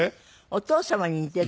お父様に似てる？